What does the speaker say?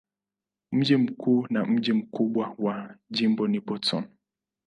Mji mkuu na mji mkubwa wa jimbo ni Boston.